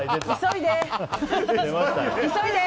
急いで。